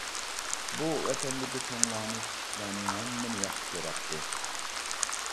بۇ ۋەتەندىكى چوڭلارنى، كىچىكلەرنى ھەممىنى ياخشى كۆرەتتى.